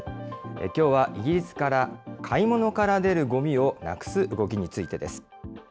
きょうはイギリスから、買い物から出るごみをなくす動きについてです。